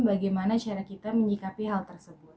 bagaimana cara kita menyikapi hal tersebut